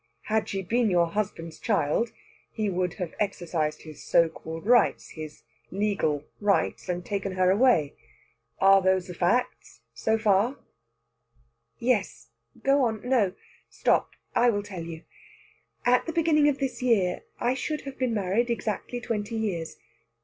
Had she been your husband's child, he would have exercised his so called rights his legal rights and taken her away. Are those the facts so far?" "Yes go on. No stop; I will tell you. At the beginning of this year I should have been married exactly twenty years.